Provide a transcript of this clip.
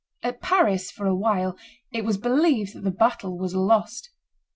At Paris, for a while, it was believed that the battle was lost.